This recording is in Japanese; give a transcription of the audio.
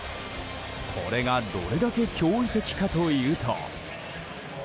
これがどれだけ驚異的かというと。